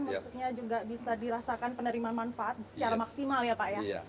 maksudnya juga bisa dirasakan penerimaan manfaat secara maksimal ya pak ya